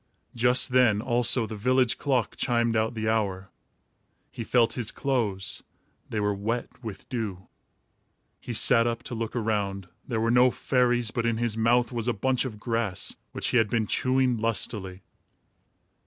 Just then also the village clock chimed out the hour. He felt his clothes. They were wet with dew. He sat up to look around. There were no fairies, but in his mouth was a bunch of grass which he had been chewing lustily.